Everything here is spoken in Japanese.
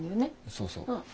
そうそう。